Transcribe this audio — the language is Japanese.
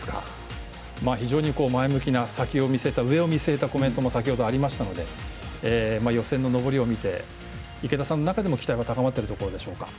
非常に前向きな先、上を見据えたコメントも先ほどありましたので予選の登りを見て池田さんの中でも、期待は高まっているところでしょうか？